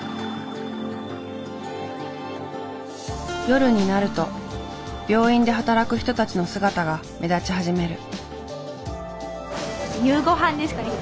夜になると病院で働く人たちの姿が目立ち始める。